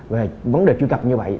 về vấn đề truy cập như vậy